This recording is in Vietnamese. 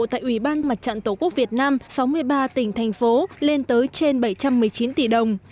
tại ủy ban mặt trận tổ quốc việt nam sáu mươi ba tỉnh thành phố lên tới trên bảy trăm một mươi chín tỷ đồng